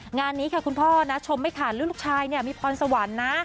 งานนี้ค่ะคุณพ่อนะชมไม่ขาดเรื่องลูกชายเนี่ยมีพรสวรรค์นะ